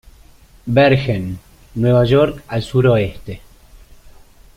Bergen, Nueva York, al suroeste.